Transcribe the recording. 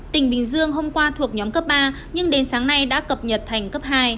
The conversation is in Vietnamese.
tỉnh bình dương hôm qua thuộc nhóm cấp ba nhưng đến sáng nay đã cập nhật thành cấp hai